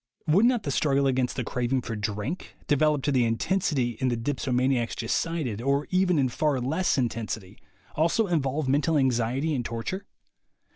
Would not the struggle against the craving for drink, developed to the intensity in the dipsomaniacs just cited, or even in far less intensity, also involve mental anxiety and torture?